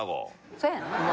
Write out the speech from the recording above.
そやな。